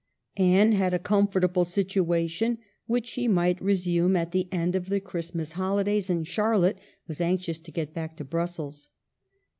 Anne had a comfortable situation, which she might resume at the end of the Christmas holi days, and Charlotte was anxious to get back to Brussels.